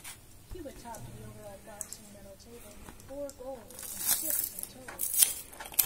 Cuba topped the overall boxing medal table with four golds and six in total.